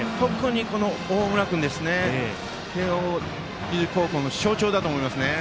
大村君、慶応義塾高校の象徴だと思いますね。